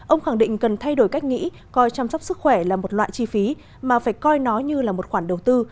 ông khẳng định cần thay đổi cách nghĩ coi chăm sóc sức khỏe là một loại chi phí mà phải coi nó như là một khoản đầu tư